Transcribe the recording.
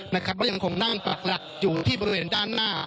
ก็ยังคงนั่งปากหลักอยู่ที่บริเวณด้านหน้า